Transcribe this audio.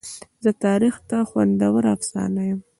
زه تاریخ ته خوندوره افسانه یمه.